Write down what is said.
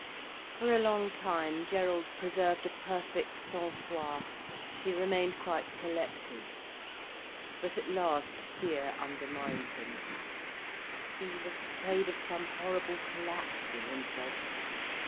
For a long time Gerald preserved a perfect sang froid, he remained quite collected. But at last, fear undermined him. He was afraid of some horrible collapse in himself.